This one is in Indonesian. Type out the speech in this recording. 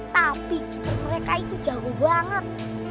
tapi keeper mereka itu jauh banget